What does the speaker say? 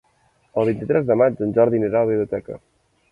El vint-i-tres de maig en Jordi anirà a la biblioteca.